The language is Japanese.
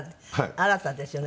新太ですよね。